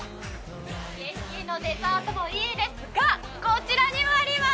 キンキンのデザートもいいですがこちらにもあります！